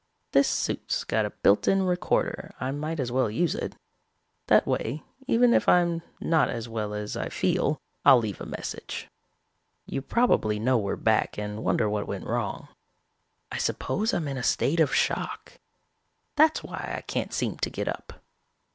This suit's got a built in recorder, I might as well use it. That way even if I'm not as well as I feel, I'll leave a message. You probably know we're back and wonder what went wrong. "I suppose I'm in a state of shock. That's why I can't seem to get up.